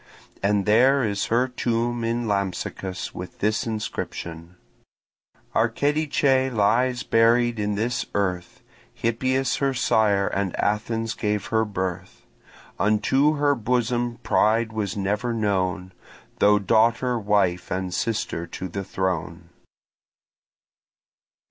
And there is her tomb in Lampsacus with this inscription: Archedice lies buried in this earth, Hippias her sire, and Athens gave her birth; Unto her bosom pride was never known, Though daughter, wife, and sister to the throne.